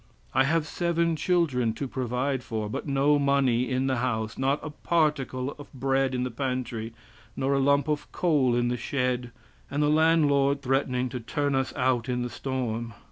I have seven children to provide for, but no money in the house, not a particle of bread in the pantry, nor a lump of coal in the shed, and the landlord threatening to turn us out in the storm.